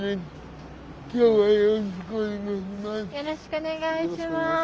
よろしくお願いします。